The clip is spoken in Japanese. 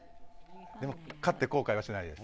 でも、買って後悔はしてないです。